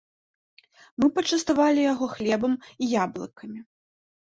Мы пачаставалі яго хлебам і яблыкамі.